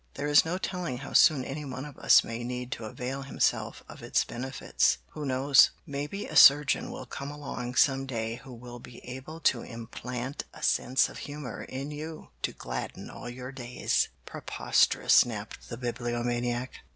"There is no telling how soon any one of us may need to avail himself of its benefits. Who knows maybe a surgeon will come along some day who will be able to implant a sense of humor in you, to gladden all your days." "Preposterous!" snapped the Bibliomaniac.